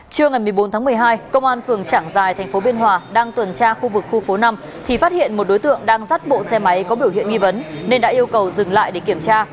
trưa ngày một mươi bốn tháng một mươi hai công an phường trảng giài tp biên hòa đang tuần tra khu vực khu phố năm thì phát hiện một đối tượng đang rắt bộ xe máy có biểu hiện nghi vấn nên đã yêu cầu dừng lại để kiểm tra